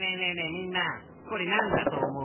みんなこれなんだとおもう？